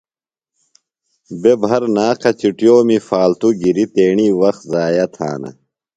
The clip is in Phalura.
بےۡ بھرناقہ چُٹِیومی فالتُوۡ گِریۡ تیݨی وخت ضائع تھانہ۔